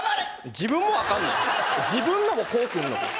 自分のもこう来んの？